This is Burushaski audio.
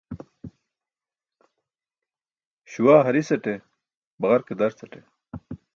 Śuwaa hari̇saṭe, baġarke darcaṭe.